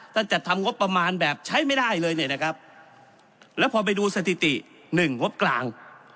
จัดทำงบประมาณแบบใช้ไม่ได้เลยเนี่ยนะครับแล้วพอไปดูสถิติหนึ่งงบกลาง